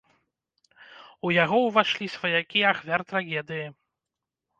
У яго ўвайшлі сваякі ахвяр трагедыі.